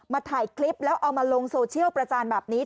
ถ่ายคลิปแล้วเอามาลงโซเชียลประจานแบบนี้